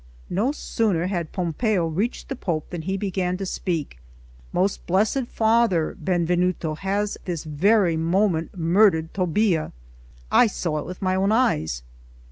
No sooner had Pompeo reached the Pope than he began to speak: "Most blessed Father, Benvenuto has this very moment murdered Tobbia; I saw it with my own eyes."